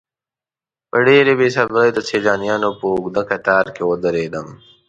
په ډېرې بې صبرۍ د سیلانیانو په اوږده کتار کې ودرېدم.